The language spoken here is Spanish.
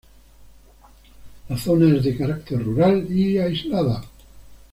La zona es de carácter rural y aislada.